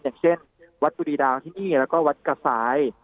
อย่างเช่นวัดบุรีดาวที่นี่แล้วก็วัดกระสาย